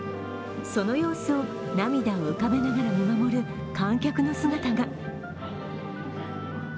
その様子を涙を浮かべながら見守る観客の姿が。